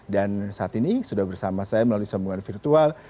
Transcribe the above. dan saat ini sudah bersama saya melalui sambungan virtual